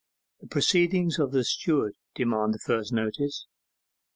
The proceedings of the steward demand the first notice.